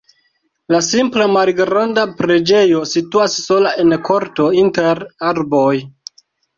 La simpla malgranda preĝejo situas sola en korto inter arboj.